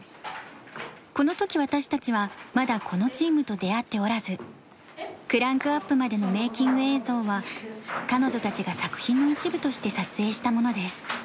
このとき私たちはまだこのチームと出会っておらずクランクアップまでのメイキング映像は彼女たちが作品の一部として撮影したものです。